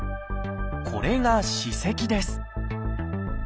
これが「歯石」です。